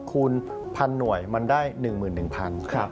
คูณ๑๐๐หน่วยมันได้๑๑๐๐บาท